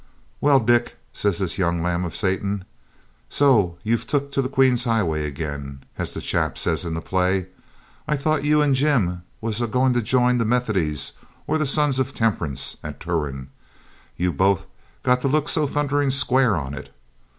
'Well, Dick,' says this young limb of Satan, 'so you've took to the Queen's highway agin, as the chap says in the play. I thought you and Jim was a going to jine the Methodies or the Sons of Temperance at Turon, you both got to look so thunderin' square on it.